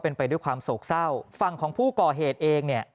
เป็นไปด้วยความโศกเศร้าฝั่งของผู้ก่อเหตุเองเนี่ย